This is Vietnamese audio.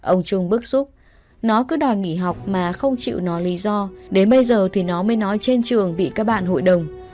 ông trung bức xúc nó cứ đòi nghỉ học mà không chịu nó lý do đến bây giờ thì nó mới nói trên trường bị các bạn hội đồng